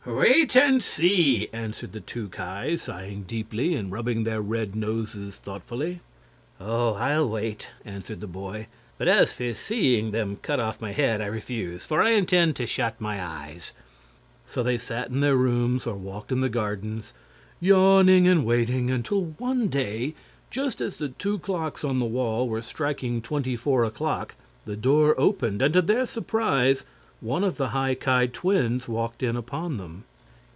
"Wait and see," answered the two Ki, sighing deeply and rubbing their red noses thoughtfully. "Oh, I'll wait," answered the boy; "but as for seeing them cut off my head, I refuse; for I intend to shut my eyes." So they sat in their rooms or walked in the gardens, yawning and waiting, until one day, just as the two clocks on the wall were striking twenty four o'clock, the door opened and to their surprise one of the High Ki twins walked in upon them.